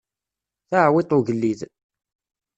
Taɛwiṭ n ugellid.